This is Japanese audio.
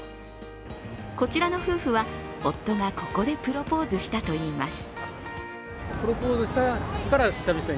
こちらの夫婦は夫がここでプロポーズしたといいます。